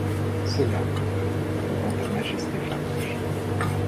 Ceux-là, femme, devant ta majesté farouche